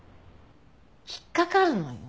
引っかかるのよ。